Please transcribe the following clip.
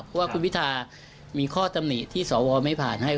เพราะว่าคุณพิทามีข้อตำหนิที่สวไม่ผ่านให้